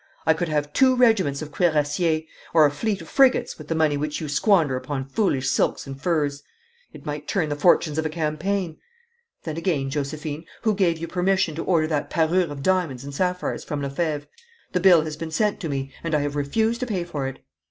I could have two regiments of cuirassiers, or a fleet of frigates, with the money which you squander upon foolish silks and furs. It might turn the fortunes of a campaign. Then again, Josephine, who gave you permission to order that parure of diamonds and sapphires from Lefebvre? The bill has been sent to me and I have refused to pay for it.